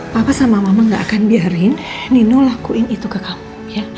papa sama mama gak akan biarin nino lakuin itu ke kamu